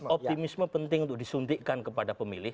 optimisme penting untuk disuntikkan kepada pemilih